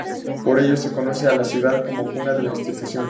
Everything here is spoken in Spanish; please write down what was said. Por ello se conoce a la ciudad como "Cuna de la Constitución".